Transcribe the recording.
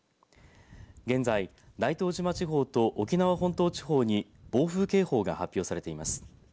現在、大東島地方と沖縄本島地方に暴風警報が発表されています。